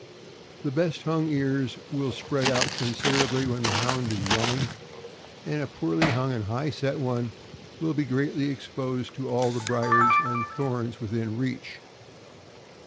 The best hung ears will spread out considerably when the Hound is running, and a poorly hung and high set one will be greatly exposed to all briers and thorns within reach.